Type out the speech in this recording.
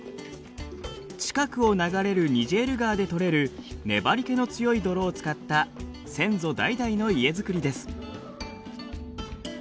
近くを流れるニジェール川で取れる粘りけの強い泥を使った先祖代々の家作りです。